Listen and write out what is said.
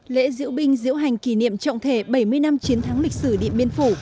lễ diễu binh diễu hành kỷ niệm trọng thể bảy mươi năm chiến thắng lịch sử điện biên phủ